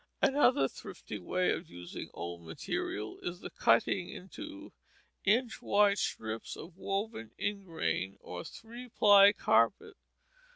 Another thrifty way of using old material is the cutting into inch wide strips of woven ingrain or three ply carpet.